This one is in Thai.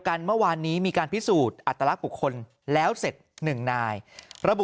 กันเมื่อวานนี้มีการพิสูจน์อัตลักษณ์บุคคลแล้วเสร็จหนึ่งนายระบุ